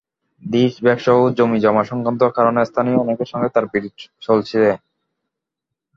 Dish ব্যবসা ও জমিজমা সংক্রান্ত কারণে স্থানীয় অনেকের সঙ্গে তাঁর বিরোধ চলছিল।